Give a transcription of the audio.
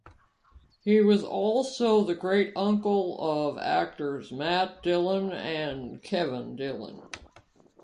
He was also the great-uncle of actors Matt Dillon and Kevin Dillon.